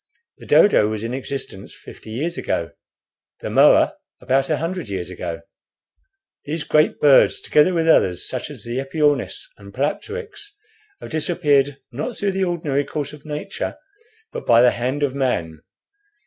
The dodo was in existence fifty years ago, the moa about a hundred years ago. These great birds, together with others, such as the epiornis and palapteryx, have disappeared, not through the ordinary course of nature, but by the hand of man.